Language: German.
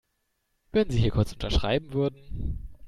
Wenn Sie hier kurz unterschreiben würden.